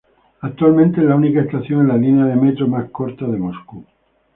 Actualmente es la única estación en la línea de metro más corta de Moscú.